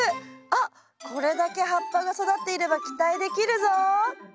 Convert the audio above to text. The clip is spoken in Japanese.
あっこれだけ葉っぱが育っていれば期待できるぞ。